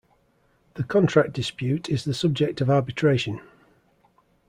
The contract dispute is the subject of arbitration.